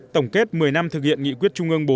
tổng kết một mươi năm thực hiện nghị quyết trung ương bốn